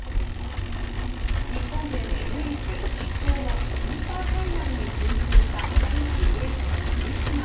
日本勢で唯一、決勝のスーパーファイナルに進出した男子エースの堀島。